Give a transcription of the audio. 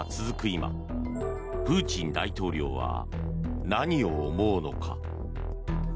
今プーチン大統領は何を思うのか。